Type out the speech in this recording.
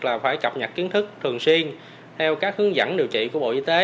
là phải cập nhật kiến thức thường xuyên theo các hướng dẫn điều trị của bộ y tế